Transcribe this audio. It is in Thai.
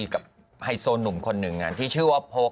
กับไฮโซหนุ่มคนหนึ่งที่ชื่อว่าพก